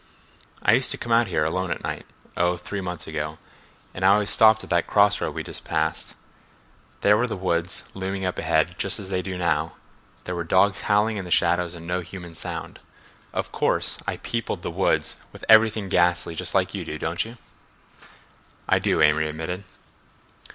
"I used to come out here alone at night, oh, three months ago, and I always stopped at that cross road we just passed. There were the woods looming up ahead, just as they do now, there were dogs howling and the shadows and no human sound. Of course, I peopled the woods with everything ghastly, just like you do; don't you?" "I do," Amory admitted.